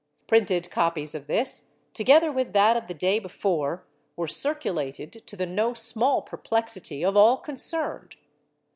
Printed copies of tliis, together with that of the day before, were circulated to the no small perplexity of all concerned.